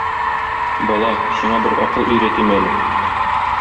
Бала, сиңа бер акыл өйрәтим әле.